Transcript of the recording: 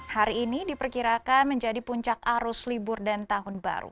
hari ini diperkirakan menjadi puncak arus libur dan tahun baru